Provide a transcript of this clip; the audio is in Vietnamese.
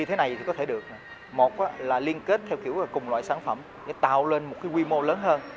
thế này thì có thể được một là liên kết theo kiểu cùng loại sản phẩm để tạo lên một quy mô lớn hơn